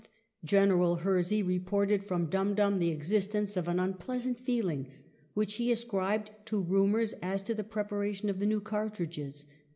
th General Hearsey reported from Dum Dum the existence of an " unpleasant feeling " which he as cribed to rumours as to the preparation of the new cartridges.